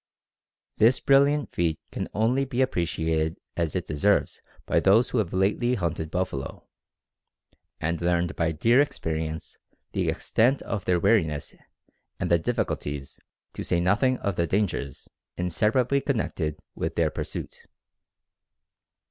This brilliant feat can only be appreciated as it deserves by those who have lately hunted buffalo, and learned by dear experience the extent of their wariness, and the difficulties, to say nothing of the dangers, inseparably connected with their pursuit.